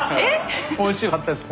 おいしかったです。